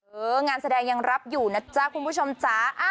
งานแสดงยังรับอยู่นะจ๊ะคุณผู้ชมจ๊ะ